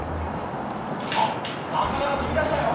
あっ、魚が飛び出したよ。